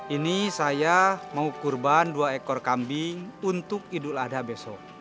ini saya mau kurban dua ekor kambing untuk idul adha besok